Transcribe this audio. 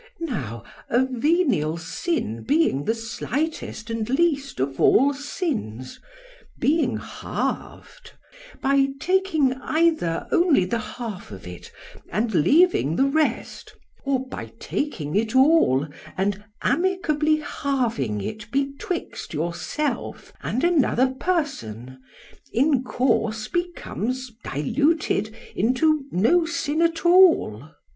Now a venial sin being the slightest and least of all sins—being halved—by taking either only the half of it, and leaving the rest—or, by taking it all, and amicably halving it betwixt yourself and another person—in course becomes diluted into no sin at all.